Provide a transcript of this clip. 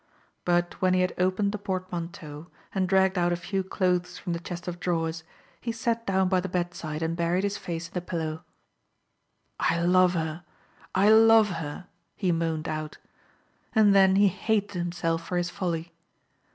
But when he had opened the portman teau, and dragged out a few clothes from the chest of drawers, he sat down by the bedside and Digitized by Google FRANCES ELEANOR TROLLOPE. 39 buried his face in the pillow. " I love her ! I love her! " he moaned out. And then he hated himself for his folly.